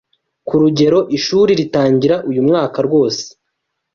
Kurugero ishuri ritangira uyumwaka rwose